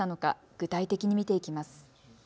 具体的に見ていきます。